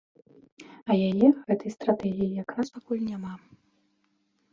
А яе, гэтай стратэгіі, якраз пакуль няма.